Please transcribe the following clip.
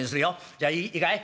じゃいいかい？